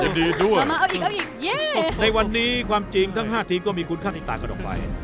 ดีดีด้วยเอาอีกเอาอีกในวันนี้ความจริงทั้งห้าทีมก็มีคุณค่าติดต่างกระดองไว้